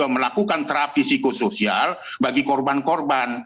melakukan terapi psikosoial bagi korban korban